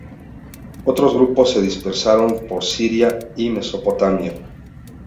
Otros grupos se dispersaron por Siria y Mesopotamia.